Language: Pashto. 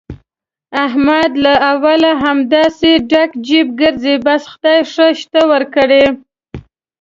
احمد له اوله همداسې ډک جېب ګرځي، بس خدای ښه شته ورکړي.